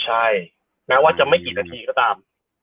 ใช่แม้ว่าจะไม่กี่นาทีก็ตาม